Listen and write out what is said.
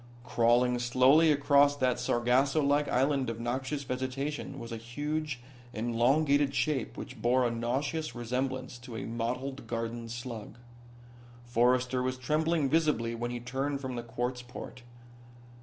Crawling slowly across that Sargasso like island of noxious vegetation was a huge, elongated shape which bore a nauseous resemblance to a mottled garden slug. Forrester was trembling visibly when he turned from the quartz port.